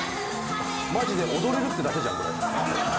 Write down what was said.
「マジで踊れるってだけじゃんこれ」